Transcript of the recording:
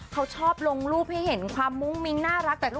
เขาชอบลงรูปให้เห็นความมุ่งมิ้งน่ารักกับลูกค้า